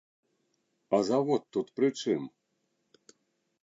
А завод тут пры чым?